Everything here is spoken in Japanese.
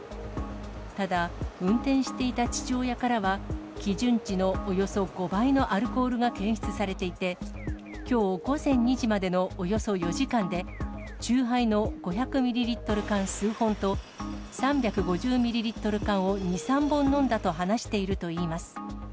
ただ、運転していた父親からは、基準値のおよそ５倍のアルコールが検出されていて、きょう午前２時までのおよそ４時間で、酎ハイの５００ミリリットル缶数本と、３５０ミリリットル缶を２、３本飲んだと話しているといいます。